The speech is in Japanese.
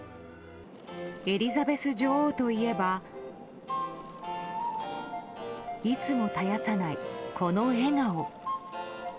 エリザベス女王といえばいつも絶やさない、この笑顔。